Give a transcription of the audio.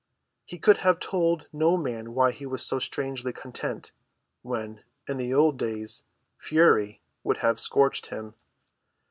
He could have told no man why he was so strangely content, when, in the old days, fury would have scorched him.